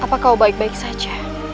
apa kau baik baik saja